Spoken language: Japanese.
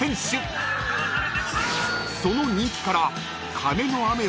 ［その人気から］